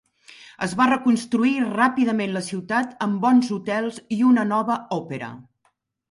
Es va reconstruir ràpidament la ciutat amb bons hotels i una nova òpera.